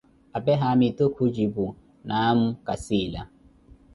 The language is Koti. apee haamitu khujipu, naamu kasiila.